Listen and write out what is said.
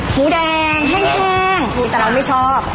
หมูแดงแห้งแต่เราไม่ชอบ